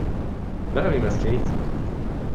برویم اسکیت؟